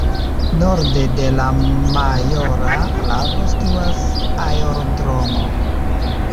Norde de la Majora Lago situas aerodromo.